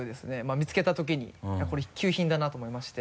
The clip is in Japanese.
見つけたときにこれ一級品だなと思いまして。